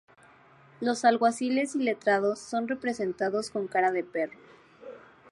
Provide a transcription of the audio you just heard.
Los alguaciles y letrados son representados con cara de perro.